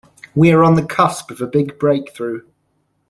We are on the cusp of a big breakthrough.